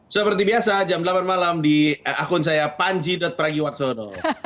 seperti biasa jam delapan malam di akun saya panji pragiwaksono